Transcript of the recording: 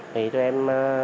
thì chúng em